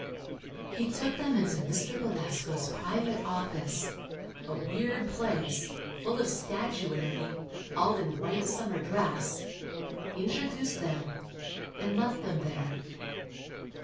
He took them into Mr. Belasco's private office—a weird place, full of statuary, all in white summer dress—introduced them, and left them there.